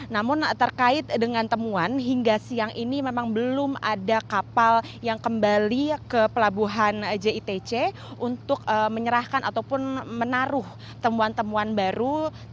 namun terkait dengan temuan hingga siang ini memang belum ada kapal yang kembali ke pelabuhan jitc untuk menyerahkan ataupun menaruh temuan temuan baru